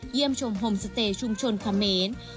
เยี่ยมชมโฮมสเตย์ชุมชนคมเมน